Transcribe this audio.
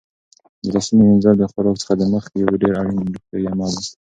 د لاسونو وینځل د خوراک څخه مخکې یو ډېر اړین روغتیايي عمل دی.